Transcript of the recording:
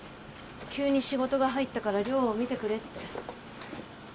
急に仕事が入ったから亮を見てくれって。